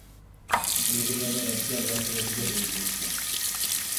ئۇيغۇرلارنى رادىكال ۋە تېررورچى دەپ ئەيىبلىمەكتە.